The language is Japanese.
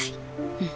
うん。